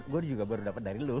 gue juga baru dapat dari lo